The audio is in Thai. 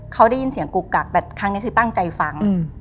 เขาได้ยินเสียงกุกกักแต่ครั้งนี้คือตั้งใจฟัง